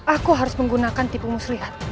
aku harus menggunakan tipu muslihat